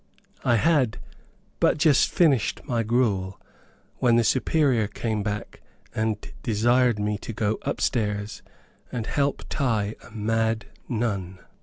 I had but just finished my gruel when the Superior came back and desired me to go up stairs and help tie a mad nun.